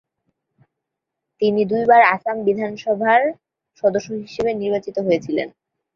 তিনি দুইবার আসাম বিধানসভার সদস্য হিসেবে নির্বাচিত হয়েছিলেন।